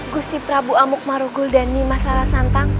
gusi prabu amuk marugul dan ini masalah santang